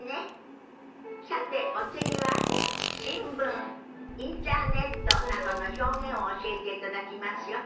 さてお次は「新聞」「インターネット」などの表現を教えていただきますよ。